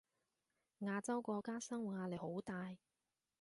亞洲國家生活壓力好大